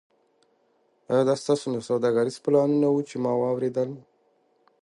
ایا دا ستاسو سوداګریز پلانونه وو چې ما اوریدل